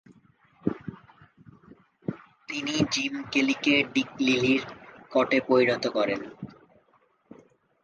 তিনি জিম কেলিকে ডিক লিলি’র কটে পরিণত করেন।